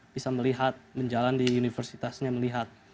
bisa melihat menjalan di universitasnya melihat